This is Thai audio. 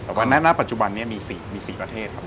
แต่ว่าณปัจจุบันนี้มี๔ประเทศครับผม